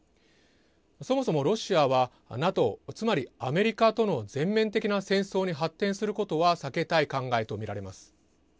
そもそも、ロシアはＮＡＴＯ、つまりアメリカとの全面的な戦争に発展することは避けたい考えと見られます。